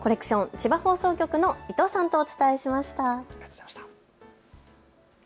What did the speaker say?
千葉放送局の伊藤さんとお伝えしました。